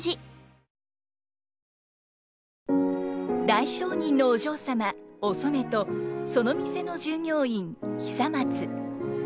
大商人のお嬢様お染とその店の従業員久松。